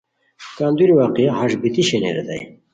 کندوری واقعہ ہݰ بیتی شینی ریتائے